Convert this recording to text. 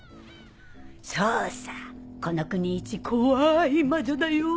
そうさこの国いち怖い魔女だよ！